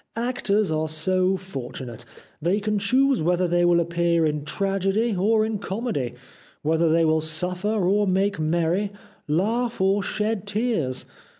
Actors are so fortunate. They can choose whether they will appear in tragedy or in comedy, whether they wih suffer or make merry, laugh or shed tears.